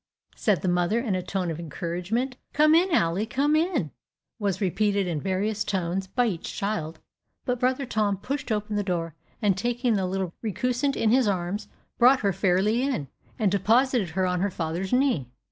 said the mother, in a tone of encouragement. "Come in, Ally! come in," was repeated in various tones, by each child; but brother Tom pushed open the door, and taking the little recusant in his arms, brought her fairly in, and deposited her on her father's knee.